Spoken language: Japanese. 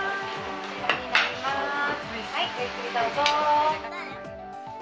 ごゆっくりどうぞ。